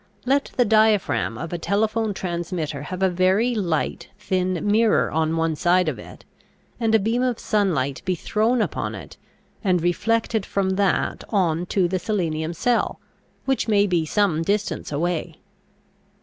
Let the diaphragm of a telephone transmitter have a very light, thin mirror on one side of it, and a beam of sunlight be thrown upon it and reflected from that on to the selenium cell, which may be some distance away.